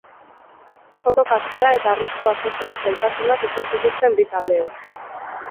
Joko kaskarra eta arriskua sortzeko zailtasunak izan zituzten bi taldeek.